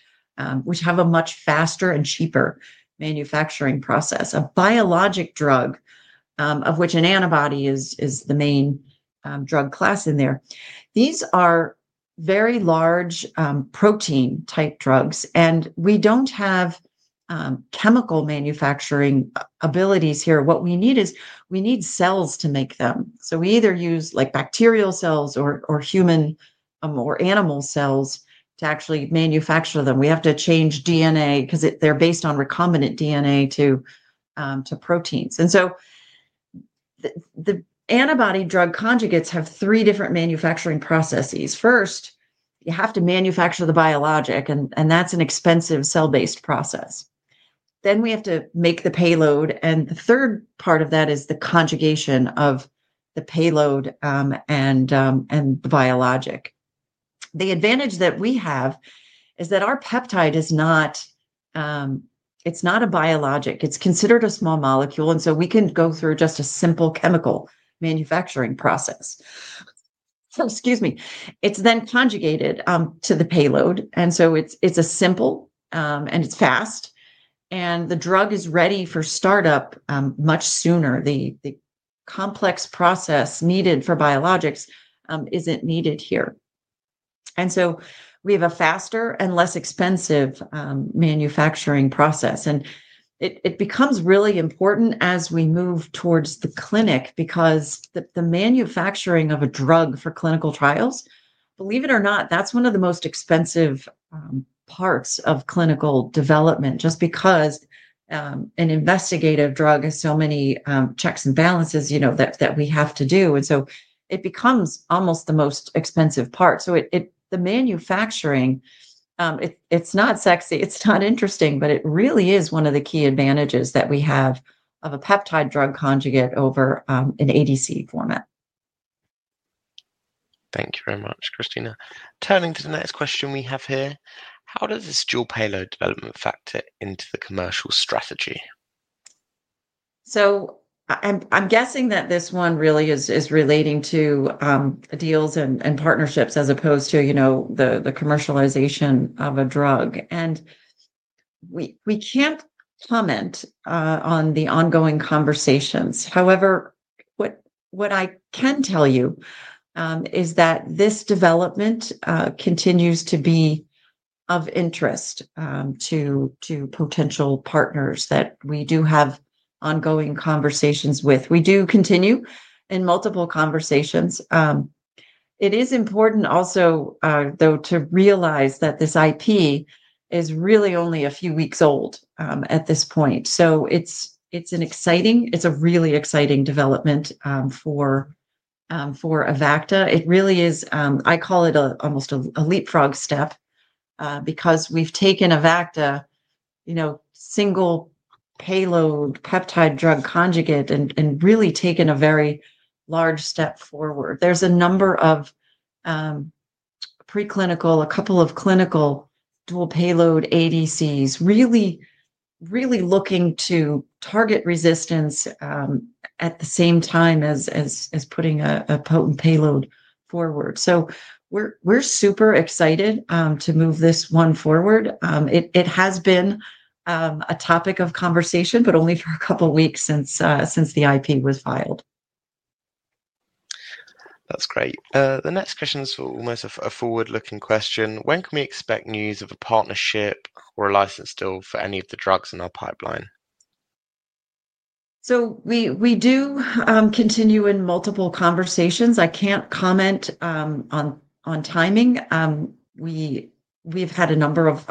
[SPEAKER 2] which have a much faster and cheaper manufacturing process. A biologic drug, of which an antibody is the main drug class in there, these are very large protein-type drugs. We don't have chemical manufacturing abilities here. What we need is we need cells to make them. We either use bacterial cells or human or animal cells to actually manufacture them. We have to change DNA because they're based on recombinant DNA to proteins. The antibody drug conjugates have three different manufacturing processes. First, you have to manufacture the biologic, and that's an expensive cell-based process. Then we have to make the payload. The third part of that is the conjugation of the payload and the biologic. The advantage that we have is that our peptide is not, it's not a biologic. It's considered a small molecule, and we can go through just a simple chemical manufacturing process. Excuse me. It's then conjugated to the payload, and it's simple and it's fast, and the drug is ready for startup much sooner. The complex process needed for biologics isn't needed here. We have a faster and less expensive manufacturing process. It becomes really important as we move towards the clinic because the manufacturing of a drug for clinical trials, believe it or not, that's one of the most expensive parts of clinical development just because an investigative drug has so many checks and balances that we have to do. It becomes almost the most expensive part. The manufacturing, it's not sexy, it's not interesting, but it really is one of the key advantages that we have of a peptide drug conjugate over an ADC format.
[SPEAKER 1] Thank you very much, Christina. Turning to the next question we have here, how does this dual-payload development factor into the commercial strategy?
[SPEAKER 2] I’m guessing that this one really is relating to deals and partnerships as opposed to, you know, the commercialization of a drug. We can't comment on the ongoing conversations. However, what I can tell you is that this development continues to be of interest to potential partners that we do have ongoing conversations with. We do continue in multiple conversations. It is important also, though, to realize that this IP is really only a few weeks old at this point. It's an exciting, it's a really exciting development for Avacta. It really is, I call it almost a leapfrog step because we've taken Avacta, you know, single payload peptide drug conjugate and really taken a very large step forward. There's a number of preclinical, a couple of clinical dual-payload ADCs really, really looking to target resistance at the same time as putting a potent payload forward. We're super excited to move this one forward. It has been a topic of conversation, but only for a couple of weeks since the IP was filed.
[SPEAKER 1] That's great. The next question is almost a forward-looking question. When can we expect news of a partnership or a license deal for any of the drugs in our pipeline?
[SPEAKER 2] We do continue in multiple conversations. I can't comment on timing. We've had a number of,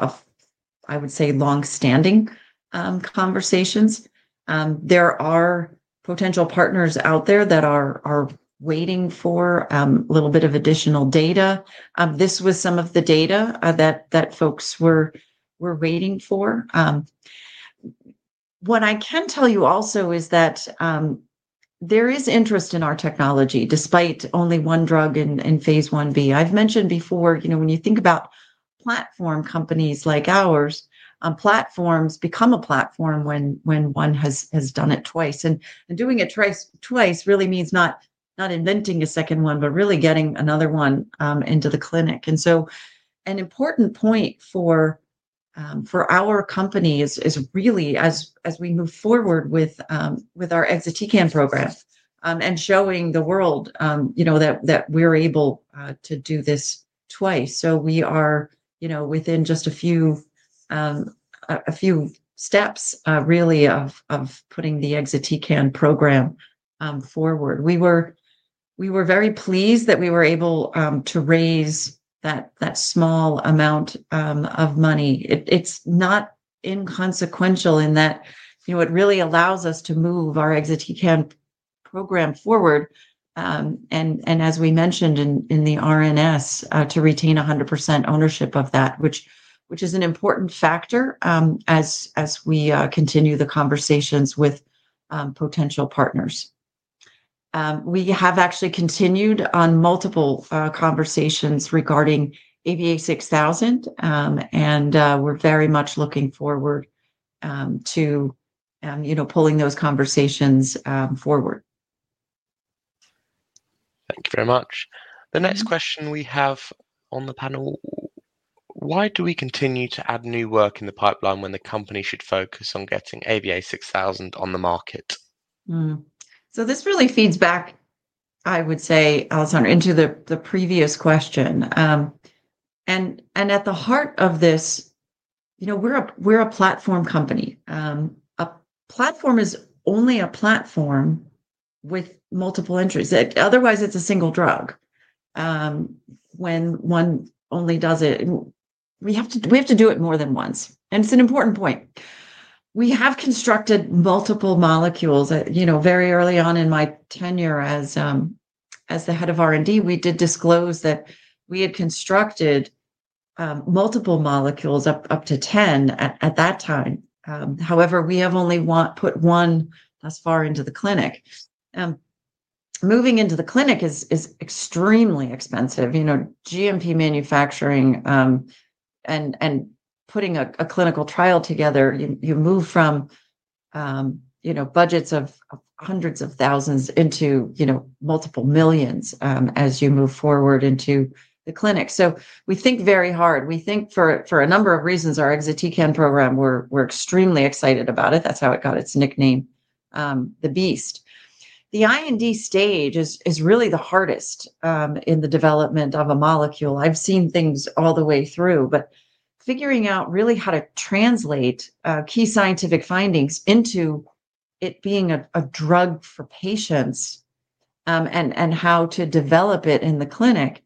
[SPEAKER 2] I would say, longstanding conversations. There are potential partners out there that are waiting for a little bit of additional data. This was some of the data that folks were waiting for. What I can tell you also is that there is interest in our technology despite only one drug in phase I B. I've mentioned before, you know, when you think about platform companies like ours, platforms become a platform when one has done it twice. Doing it twice really means not inventing a second one, but really getting another one into the clinic. An important point for our company is really as we move forward with our exatecan program and showing the world, you know, that we're able to do this twice. We are, you know, within just a few steps, really, of putting the exatecan program forward. We were very pleased that we were able to raise that small amount of money. It's not inconsequential in that, you know, it really allows us to move our exatecan program forward. As we mentioned in the RNS, to retain 100% ownership of that, which is an important factor as we continue the conversations with potential partners. We have actually continued on multiple conversations regarding AVA6000, and we're very much looking forward to, you know, pulling those conversations forward.
[SPEAKER 1] Thank you very much. The next question we have on the panel, why do we continue to add new work in the pipeline when the company should focus on getting AVA6000 on the market?
[SPEAKER 2] This really feeds back, I would say, Alexander, into the previous question. At the heart of this, you know, we're a platform company. A platform is only a platform with multiple entries. Otherwise, it's a single drug. When one only does it, we have to do it more than once. It's an important point. We have constructed multiple molecules. Very early on in my tenure as the Head of R&D, we did disclose that we had constructed multiple molecules, up to 10 at that time. However, we have only put one thus far into the clinic. Moving into the clinic is extremely expensive. GMP manufacturing and putting a clinical trial together, you move from budgets of hundreds of thousands into multiple millions as you move forward into the clinic. We think very hard. We think for a number of reasons, our Exatecan program, we're extremely excited about it. That's how it got its nickname, The Beast. The IND stage is really the hardest in the development of a molecule. I've seen things all the way through, but figuring out really how to translate key scientific findings into it being a drug for patients and how to develop it in the clinic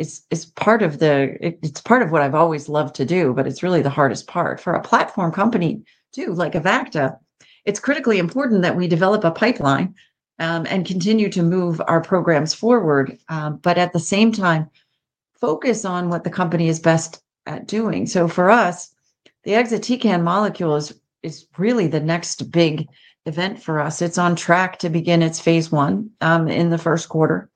[SPEAKER 2] is part of what I've always loved to do, but it's really the hardest part. For a platform company, too, like Avacta, it's critically important that we develop a pipeline and continue to move our programs forward. At the same time, focus on what the company is best at doing. For us, the Exatecan molecule is really the next big event for us. It's on track to begin its phase I in the first quarter.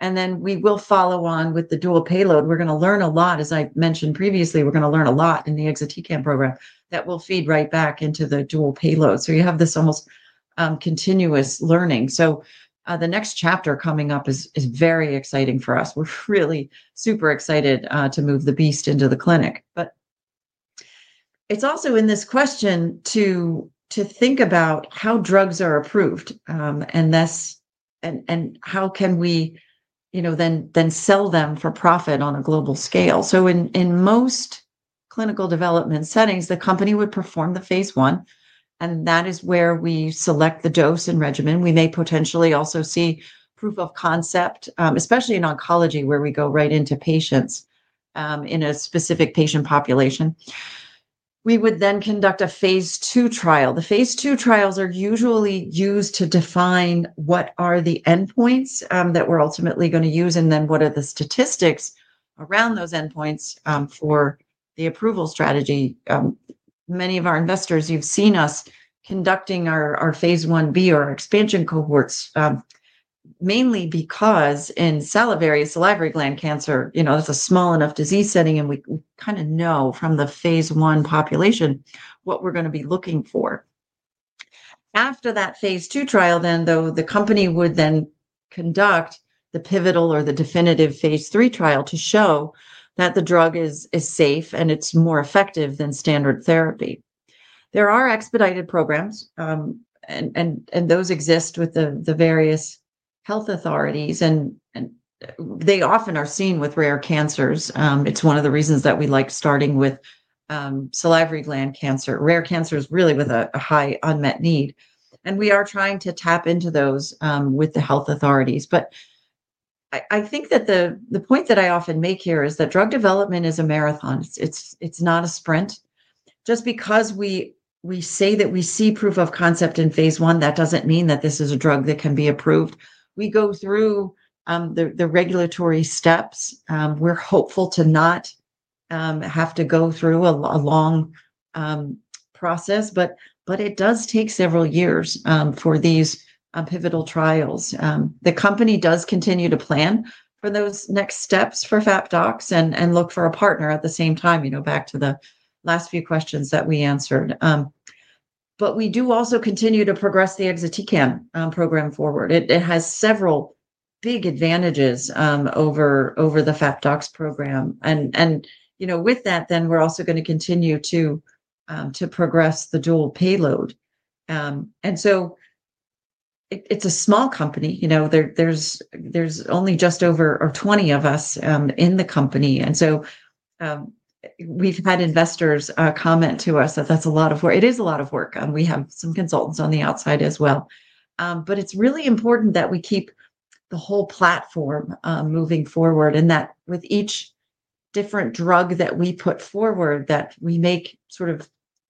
[SPEAKER 2] We will follow on with the dual-payload. We're going to learn a lot, as I mentioned previously, we're going to learn a lot in the Exatecan program that will feed right back into the dual-payload. You have this almost continuous learning. The next chapter coming up is very exciting for us. We're really super excited to move The Beast into the clinic. It's also in this question to think about how drugs are approved and thus, and how can we, you know, then sell them for profit on a global scale. In most clinical development settings, the company would perform the phase I, and that is where we select the dose and regimen. We may potentially also see proof of concept, especially in oncology where we go right into patients in a specific patient population. We would then conduct a phase II trial. The phase II trials are usually used to define what are the endpoints that we're ultimately going to use, and then what are the statistics around those endpoints for the approval strategy. Many of our investors, you've seen us conducting our phase Ib or our expansion cohorts, mainly because in salivary and salivary gland cancer, you know, that's a small enough disease setting, and we kind of know from the phase I population what we're going to be looking for. After that phase II trial, the company would then conduct the pivotal or the definitive phase III trial to show that the drug is safe and it's more effective than standard therapy. There are expedited programs, and those exist with the various health authorities, and they often are seen with rare cancers. It's one of the reasons that we like starting with salivary gland cancer, rare cancers really with a high unmet need. We are trying to tap into those with the health authorities. I think that the point that I often make here is that drug development is a marathon. It's not a sprint. Just because we say that we see proof of concept in phase I, that doesn't mean that this is a drug that can be approved. We go through the regulatory steps. We're hopeful to not have to go through a long process, but it does take several years for these pivotal trials. The company does continue to plan for those next steps for FAP-activated doxorubicin and look for a partner at the same time, you know, back to the last few questions that we answered. We do also continue to progress the FAP-exatecan program forward. It has several big advantages over the FAP-activated doxorubicin program. With that, we're also going to continue to progress the dual-payload PDC technology. It's a small company, you know, there's only just over 20 of us in the company. We've had investors comment to us that that's a lot of work. It is a lot of work. We have some consultants on the outside as well. It's really important that we keep the whole platform moving forward and that with each different drug that we put forward, that we make sort of,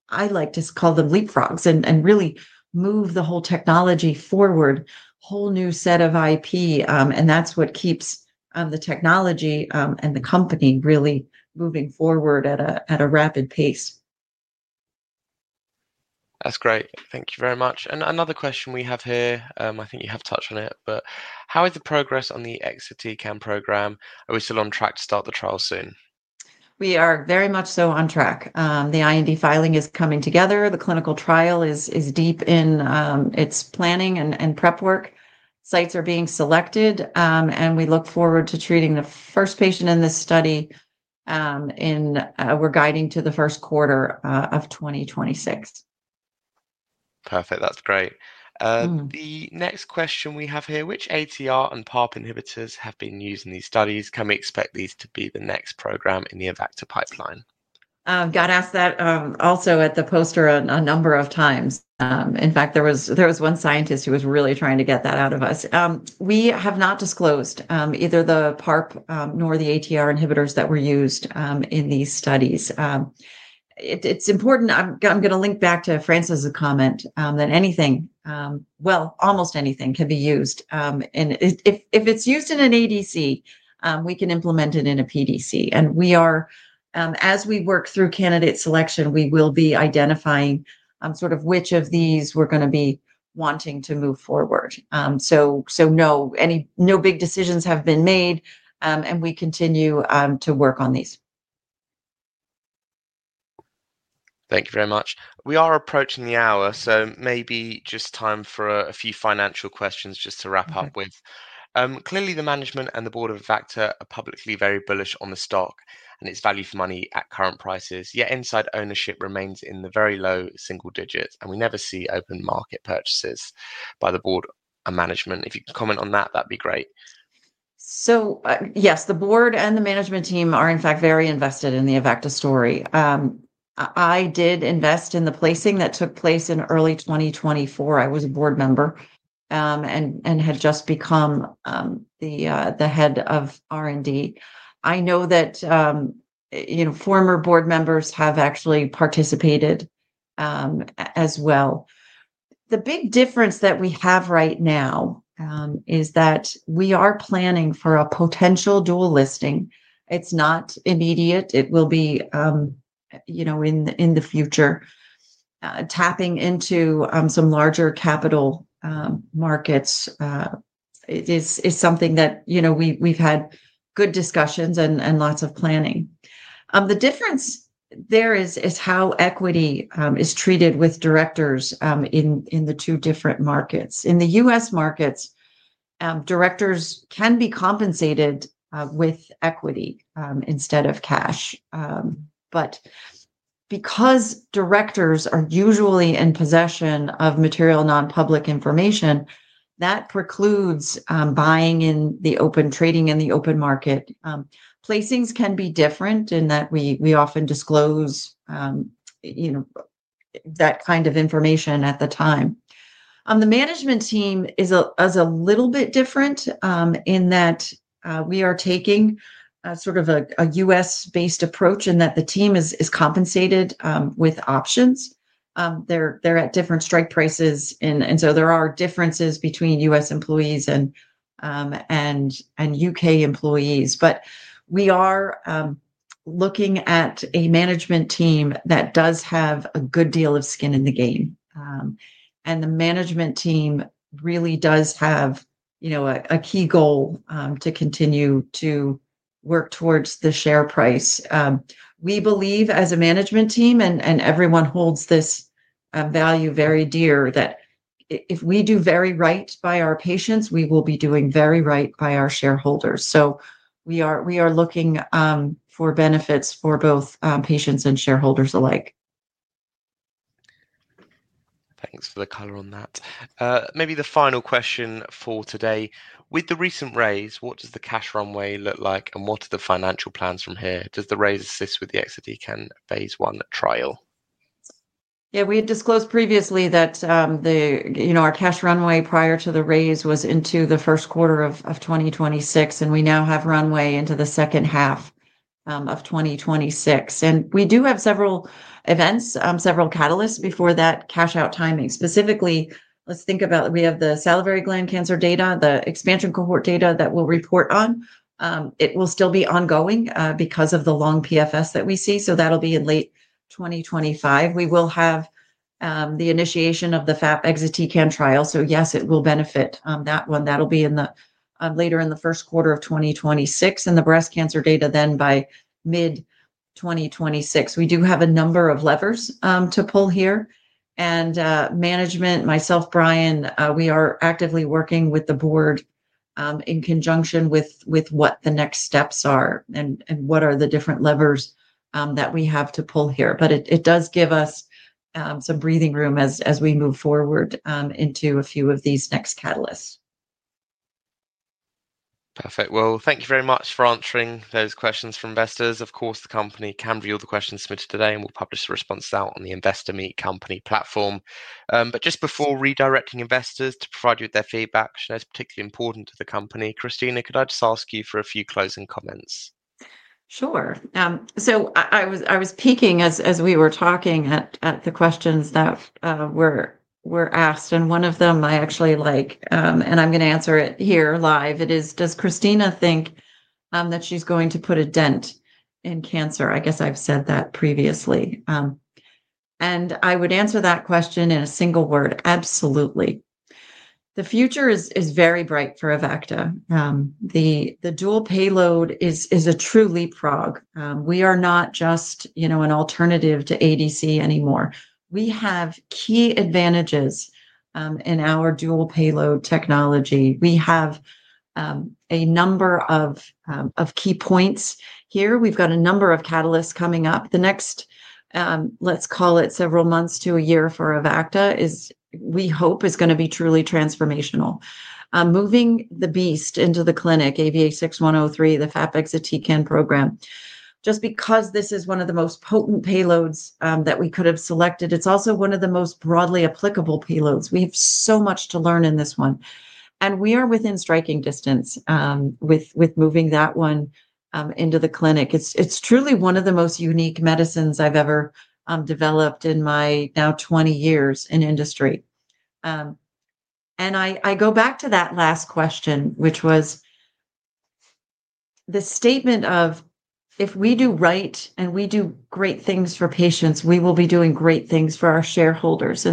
[SPEAKER 2] I like to call them leapfrogs and really move the whole technology forward, a whole new set of IP. That's what keeps the technology and the company really moving forward at a rapid pace.
[SPEAKER 1] That's great. Thank you very much. Another question we have here, I think you have touched on it, but how is the progress on the AVA6103 program? Are we still on track to start the trial soon?
[SPEAKER 2] We are very much so on track. The IND filing is coming together. The clinical trial is deep in its planning and prep work. Sites are being selected, and we look forward to treating the first patient in this study in, we're guiding to the first quarter of 2026.
[SPEAKER 1] Perfect. That's great. The next question we have here, which ATR and PARP inhibitors have been used in these studies? Can we expect these to be the next program in the Avacta pipeline?
[SPEAKER 2] I've got asked that also at the poster a number of times. In fact, there was one scientist who was really trying to get that out of us. We have not disclosed either the PARP nor the ATR inhibitors that were used in these studies. It's important, I'm going to link back to Francis's comment that anything, well, almost anything can be used. If it's used in an ADC, we can implement it in a PDC. As we work through candidate selection, we will be identifying sort of which of these we're going to be wanting to move forward. No big decisions have been made, and we continue to work on these.
[SPEAKER 1] Thank you very much. We are approaching the hour, so maybe just time for a few financial questions just to wrap up with. Clearly, the management and the board of Avacta are publicly very bullish on the stock and its value for money at current prices. Yet inside ownership remains in the very low single digits, and we never see open market purchases by the board and management. If you can comment on that, that'd be great.
[SPEAKER 2] Yes, the board and the management team are in fact very invested in the Avacta story. I did invest in the placing that took place in early 2024. I was a board member and had just become the Head of R&D. I know that former board members have actually participated as well. The big difference that we have right now is that we are planning for a potential dual listing. It's not immediate. It will be in the future. Tapping into some larger capital markets is something that we've had good discussions and lots of planning. The difference there is how equity is treated with directors in the two different markets. In the U.S. markets, directors can be compensated with equity instead of cash. Because directors are usually in possession of material non-public information, that precludes buying in the open trading in the open market. Placings can be different in that we often disclose that kind of information at the time. The management team is a little bit different in that we are taking sort of a U.S.-based approach in that the team is compensated with options. They're at different strike prices, and so there are differences between U.S. employees and UK employees. We are looking at a management team that does have a good deal of skin in the game. The management team really does have a key goal to continue to work towards the share price. We believe as a management team, and everyone holds this value very dear, that if we do very right by our patients, we will be doing very right by our shareholders. We are looking for benefits for both patients and shareholders alike.
[SPEAKER 1] Thanks for the color on that. Maybe the final question for today. With the recent raise, what does the cash runway look like, and what are the financial plans from here? Does the raise assist with the AVA6103 phase I trial?
[SPEAKER 2] We had disclosed previously that our cash runway prior to the raise was into the first quarter of 2026, and we now have runway into the second half of 2026. We do have several events, several catalysts before that cash out timing. Specifically, let's think about that we have the salivary gland cancer data, the expansion cohort data that we'll report on. It will still be ongoing because of the long PFS that we see. That'll be in late 2025. We will have the initiation of the FAP-exatecan trial. Yes, it will benefit that one. That'll be later in the first quarter of 2026. The breast cancer data then by mid-2026. We do have a number of levers to pull here. Management, myself, Brian, we are actively working with the board in conjunction with what the next steps are and what are the different levers that we have to pull here. It does give us some breathing room as we move forward into a few of these next catalysts.
[SPEAKER 1] Perfect. Thank you very much for answering those questions from investors. Of course, the company can view all the questions submitted today, and we'll publish the responses out on the Investor Meet Company platform. Just before redirecting investors to provide you with their feedback, which I know is particularly important to the company, Christina, could I just ask you for a few closing comments?
[SPEAKER 2] Sure. I was peeking as we were talking at the questions that were asked. One of them I actually like, and I'm going to answer it here live. It is, does Christina think that she's going to put a dent in cancer? I guess I've said that previously. I would answer that question in a single word, absolutely. The future is very bright for Avacta. The dual payload is a true leapfrog. We are not just, you know, an alternative to ADC anymore. We have key advantages in our dual-payload technology. We have a number of key points here. We've got a number of catalysts coming up. The next, let's call it several months to a year for Avacta is, we hope, going to be truly transformational. The beast into the clinic, AVA6103, the FAP-exatecan program. Just because this is one of the most potent payloads that we could have selected, it's also one of the most broadly applicable payloads. We have so much to learn in this one, and we are within striking distance with moving that one into the clinic. It's truly one of the most unique medicines I've ever developed in my now 20 years in industry. I go back to that last question, which was the statement of, if we do right and we do great things for patients, we will be doing great things for our shareholders.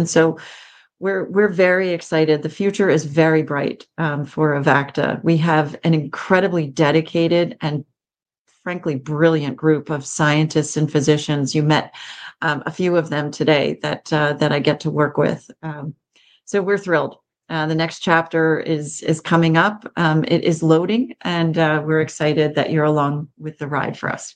[SPEAKER 2] We are very excited. The future is very bright for Avacta. We have an incredibly dedicated and frankly brilliant group of scientists and physicians. You met a few of them today that I get to work with. We are thrilled.
[SPEAKER 1] The next chapter is coming up. It is loading, and we're excited that you're along with the ride for us.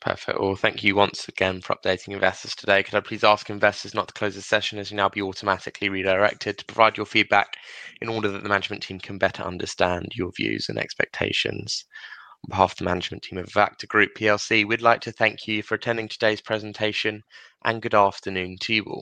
[SPEAKER 2] Perfect. Thank you once again for updating investors today. Could I please ask investors not to close this session as you will now be automatically redirected to provide your feedback in order that the management team can better understand your views and expectations. On behalf of the management team of Avacta Group Plc, we'd like to thank you for attending today's presentation. Good afternoon to you all.